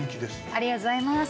ありがとうございます。